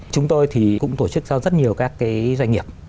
chúng tôi thì cũng tổ chức cho rất nhiều các cái doanh nghiệp